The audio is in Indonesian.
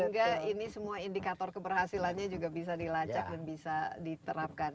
semoga ini semua indikator keberhasilannya juga bisa dilacak dan bisa diterapkan